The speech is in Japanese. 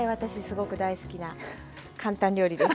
すごく大好きな簡単料理です。